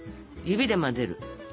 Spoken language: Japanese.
指で混ぜる。